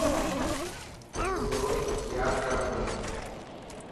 هون روز ياد ڪران ٿو.